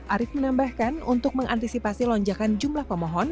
arief menambahkan untuk mengantisipasi lonjakan jumlah pemohon